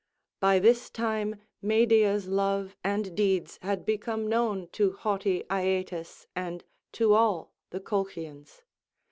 By this time Medea's love and deeds had become known to haughty Aeetes and to all the Colchians.